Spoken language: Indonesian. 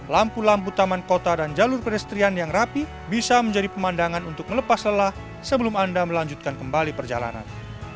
lampu lampu taman kota dan jalur pedestrian yang rapi bisa menjadi pemandangan untuk melepas lelah sebelum anda melanjutkan kembali perjalanan